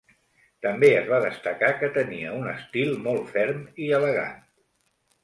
També es va destacar que tenia un estil molt ferm i elegant.